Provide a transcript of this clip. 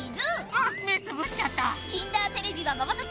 あ目つぶっちゃった！